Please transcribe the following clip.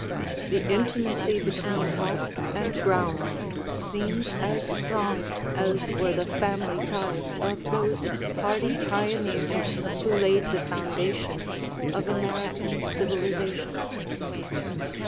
The intimacy between house and grounds seems as strong as were the family ties of those hardy pioneers who laid the foundations of American civilization.